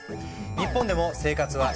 日本でも生活は一変。